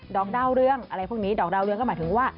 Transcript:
อกดาวเรืองอะไรพวกนี้ดอกดาวเรืองก็หมายถึงว่า